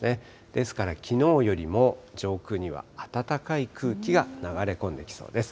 ですから、きのうよりも上空には暖かい空気が流れ込んできそうです。